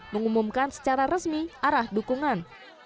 mengumumkan secara resmi arah dukungan